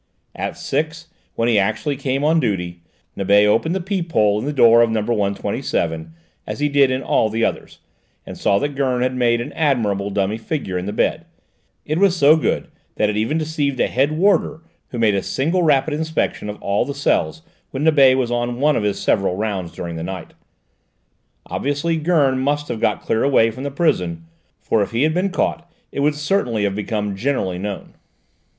At six, when he actually came on duty, Nibet opened the peephole in the door of number 127, as he did in all the others, and saw that Gurn had made an admirable dummy figure in the bed: it was so good that it even deceived a head warder who made a single rapid inspection of all the cells when Nibet was on one of his several rounds during the night. Obviously Gurn must have got clear away from the prison, for if he had been caught it would certainly have become generally known.